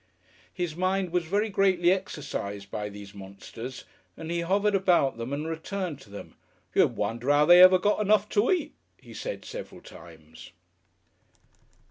His mind was very greatly exercised by these monsters, and he hovered about them and returned to them. "You'd wonder 'ow they ever got enough to eat," he said several times.